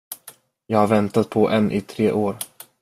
Jag har väntat på en i tre år.